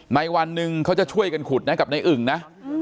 วันหนึ่งเขาจะช่วยกันขุดนะกับในอึ่งนะ